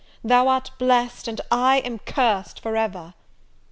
thou art blessed! and I am cursed for ever!"